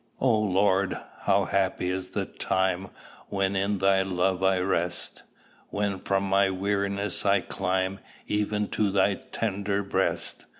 O Lord, how happy is the time When in thy love I rest! When from my weariness I climb Even to thy tender breast!